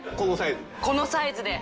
このサイズで？